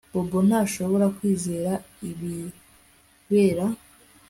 Bobo ntashobora kwizera ibibera